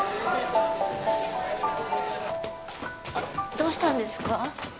どうしたんですか？